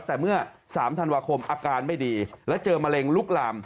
แต่เมื่อ๓ธันวาคมอาการไม่ดีแล้วเจอมะเร็งลุกลาม